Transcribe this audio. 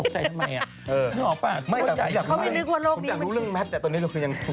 ฉันอยากรู้เรื่องแมทแต่ตอนนี้ชักยังไม่รู้